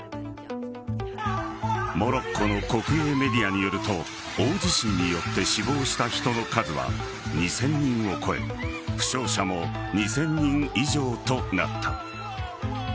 モロッコの国営メディアによると大地震によって死亡した人の数は２０００人を超え負傷者も２０００人以上となった。